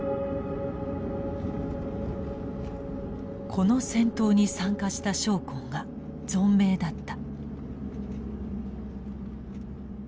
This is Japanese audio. この戦闘に参加した将校が存命だった。